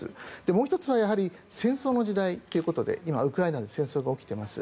もう１つは戦争の時代ということで今、ウクライナで戦争が起きています。